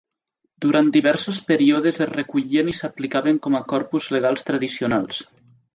Durant diversos períodes es recollien i s'aplicaven com a corpus legals tradicionals.